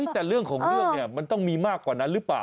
แต่เรื่องของเรื่องเนี่ยมันต้องมีมากกว่านั้นหรือเปล่า